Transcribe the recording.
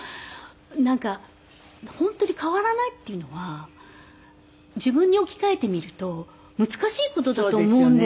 なんか本当に変わらないっていうのは自分に置き換えてみると難しい事だと思うんですよ。